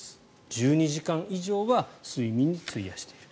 １２時間以上は睡眠に費やしている。